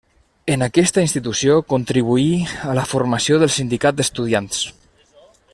En aquesta institució contribuí a la formació del Sindicat d'Estudiants.